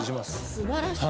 すばらしい。